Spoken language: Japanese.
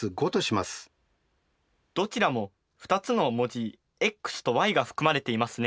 どちらも２つの文字ｘとｙが含まれていますね。